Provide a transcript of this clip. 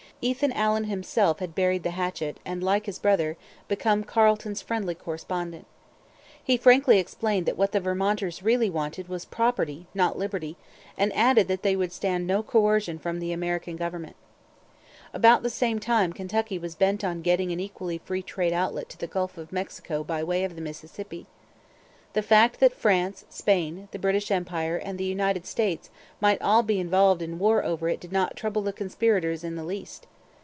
Ethan Allen himself had buried the hatchet and, like his brother, become Carleton's friendly correspondent. He frankly explained that what Vermonters really wanted was 'property not liberty' and added that they would stand no coercion from the American government. About the same time Kentucky was bent on getting an equally 'free trade' outlet to the Gulf of Mexico by way of the Mississippi. The fact that France Spain, the British Empire, and the United States might all be involved in war over it did not trouble the conspirators in the least.